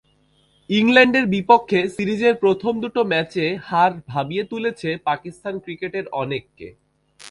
ইংল্যান্ডের বিপক্ষে সিরিজের প্রথম দুটো ম্যাচে হার ভাবিয়ে তুলেছে পাকিস্তান ক্রিকেটের অনেককে।